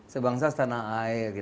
sebangsa setanah air